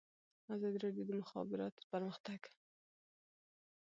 ازادي راډیو د د مخابراتو پرمختګ په اړه تاریخي تمثیلونه وړاندې کړي.